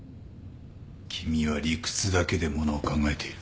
君は理屈だけでものを考えている。